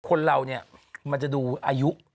คนเราเนี่ยมันจะดูอายุ